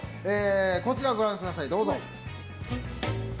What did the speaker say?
こちらをご覧ください。